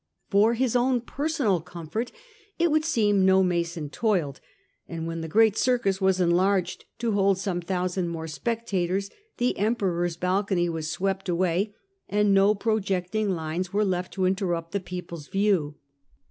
For his own personal comfort, it would seem, no mason toiled, and when the great circus was enlarged to hold some thousand more spectators, the Emperor's balcony was swept away, and no projecting lines were left to interrupt the people's view.